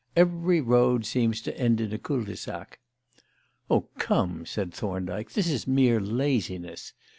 Every road seems to end in a cul de sac." "Oh, come!" said Thorndyke, "this is mere laziness.